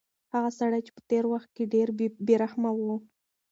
هغه سړی په تېر وخت کې ډېر بې رحمه و.